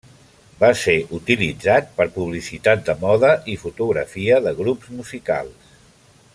Va ser utilitzat per publicitat de moda i fotografia de grups musicals.